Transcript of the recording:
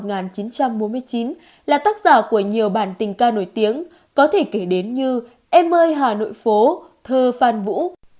năm một nghìn chín trăm bốn mươi chín là tác giả của nhiều bản tình ca nổi tiếng có thể kể đến như em ơi hà nội phố thơ phan vũ